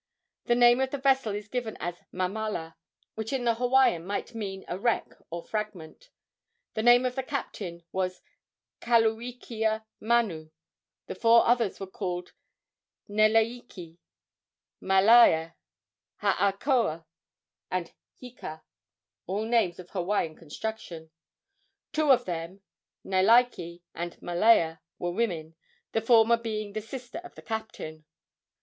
The name of the vessel is given as Mamala, which in the Hawaiian might mean a wreck or fragment. The name of the captain was Kaluikia Manu; the four others were called Neleike, Malaea, Haakoa and Hika all names of Hawaiian construction. Two of them Neleike and Malaea were women, the former being the sister of the captain.